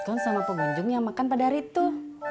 mungkin munjung yang makan pada hari itu